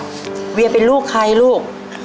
เวียเป็นลูกใครลูก